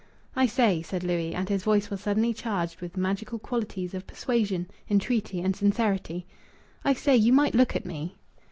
"I say," said Louis, and his voice was suddenly charged with magical qualities of persuasion, entreaty, and sincerity "I say, you might look at me."